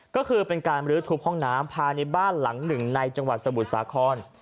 ก็คือเป็นการบรื้อทุบห้องน้ำภายในบ้านหลังหนึ่งในจังหวัดสมุทรสาคร